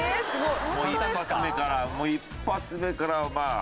もう一発目からもう一発目からまあ。